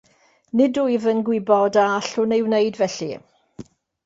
Nid wyf yn gwybod a allwn ei wneud felly.